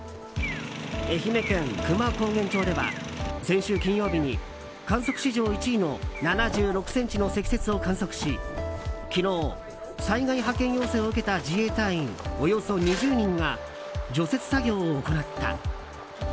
愛媛県久万高原町では先週金曜日に観測史上１位の７６ｃｍの積雪を観測し昨日、災害派遣要請を受けた自衛隊員およそ２０人が除雪作業を行った。